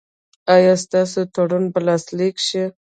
ایا ستاسو تړون به لاسلیک شي؟